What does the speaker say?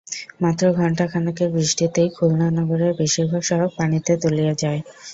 মাত্র ঘণ্টা খানেকের বৃষ্টিতেই খুলনা নগরের বেশির ভাগ সড়ক পানিতে তলিয়ে যায়।